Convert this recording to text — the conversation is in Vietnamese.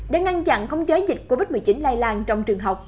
để ngăn chặn không chế dịch covid một mươi chín lay lan trong trường học